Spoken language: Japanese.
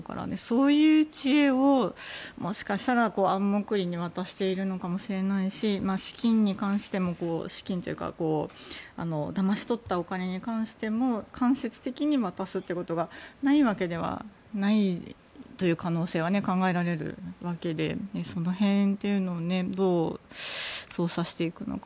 そういう知恵をもしかしたら暗黙裡に渡しているのかもしれないし資金に関しても、資金というかだまし取ったお金に関しても間接的に渡すっていうことがないわけではないという可能性は考えられるわけでその辺というのをどう捜査していくのか。